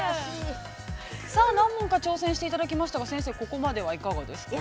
◆さあ、何問か挑戦していただきましたが、先生、ここまではいかがですか。